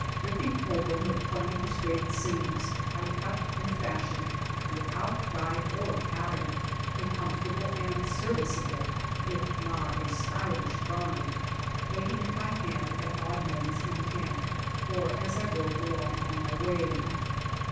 Ripping open the plain straight seams, I cut and fashioned without guide or pattern a comfortable and serviceable, if not a stylish, garment, making it by hand at odd moments in camp or as I rode along on my way.